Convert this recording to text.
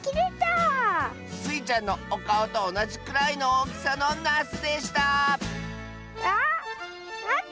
スイちゃんのおかおとおなじくらいのおおきさのなすでしたあまってましたトマト！